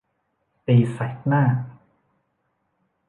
ตีแสกหน้า